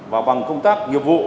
và bằng công tác nghiệp vụ